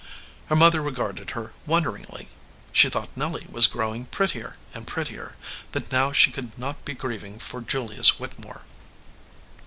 Her mother regarded her wonderingly. She thought Nelly was growing prettier and prettier that now she could not be grieving for Julius Whit temore.